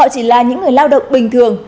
và những người lao động bình thường